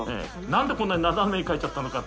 なんでこんなに斜めに書いちゃったのか。